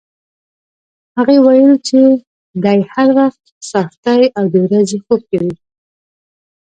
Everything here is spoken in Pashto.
هغې ویل چې دی هر وخت څاښتي او د ورځې خوب کوي.